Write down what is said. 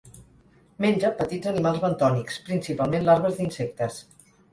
Menja petits animals bentònics, principalment larves d'insectes.